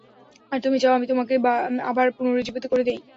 আর তুমি চাও আমি তোমাকে আবার পুনরুজ্জীবিত করে দেই।